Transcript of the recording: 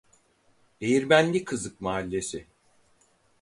Değirmenlikızık mahallesi